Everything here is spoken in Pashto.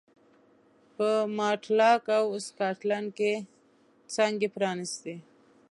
په ماټلاک او سکاټلنډ کې څانګې پرانېستې.